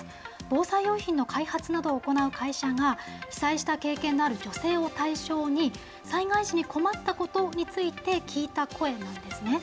防災用品の開発などを行う会社が、被災した経験のある女性を対象に、災害時に困ったことについて、聞いた声なんですね。